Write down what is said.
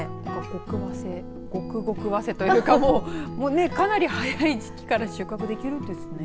極わせ極極わせというかかなり早い時期から収穫できるんですね。